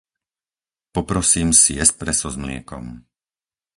Poprosím si espresso s mliekom.